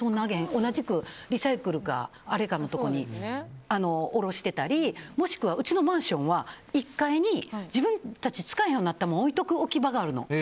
同じくリサイクルかあれかに下ろしてたりもしくはうちのマンションは１階に自分たちが使わへんようになったもの置いておく置き場があるの。